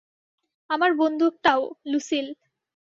আমার বন্দুকটাও, লুসিল।